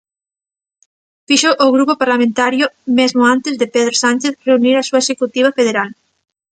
Fíxoo o grupo parlamentario mesmo antes de Pedro Sánchez reunir a súa executiva federal.